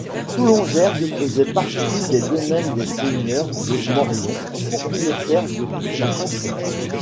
Toulongergues faisait partie des domaines des Seigneur de Morlhon, propriétaire de toute la contrée.